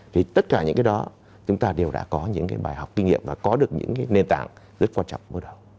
thì tất cả những cái đó chúng ta đều đã có những cái bài học kinh nghiệm và có được những cái nền tảng rất quan trọng bước đầu